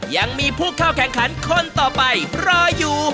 ยังมีผู้เข้าแข่งขันคนต่อไปรออยู่